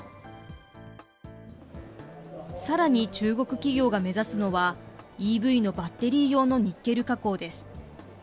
さらに中国企業が目指すのは、ＥＶのバッテリー用のニッケル加工です。